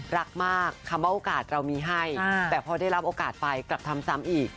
รักมากคำว่าโอกาสเรามีให้แต่พอได้รับโอกาสไปกลับทำซ้ำอีก